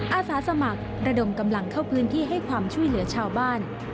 อาสาสมัครระดมกำลังเข้าพื้นที่ให้ความช่วยเหลือชาวบ้าน